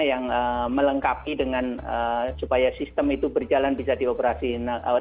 yang melengkapi dengan supaya sistem itu berjalan bisa dioperasikan